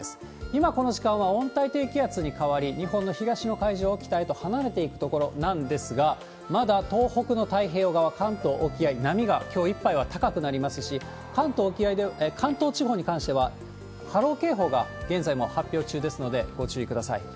今、この時間は温帯低気圧に変わり、日本の東の海上を北へと離れていくところなんですが、まだ東北の太平洋側、関東沖合、波がきょういっぱいは高くなりますし、関東地方に関しては波浪警報が現在も発表中ですので、ご注意ください。